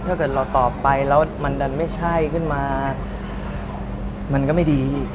ถ้าเกิดเราตอบไปแล้วมันดันไม่ใช่ขึ้นมามันก็ไม่ดีอีก